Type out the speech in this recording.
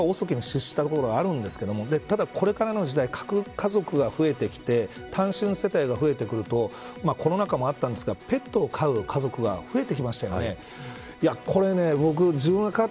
遅きに失した部分はあるんですがでもこれからの時代、核家族が増えてきて単身世帯が増えてくるとコロナ禍もあったんですがペットを飼う家族が増えてきますね。